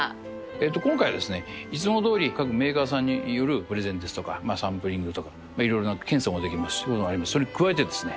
今回はですねいつもどおり各メーカーさんによるプレゼンですとかサンプリングとか色々な検査もできますしそれに加えてですね